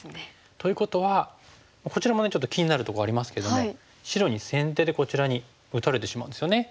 ということはこちらもちょっと気になるとこありますけども白に先手でこちらに打たれてしまうんですよね。